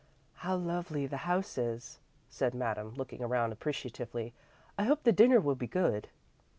"How lovely the house is," said Madame, looking around appreciatively. "I hope the dinner will be good."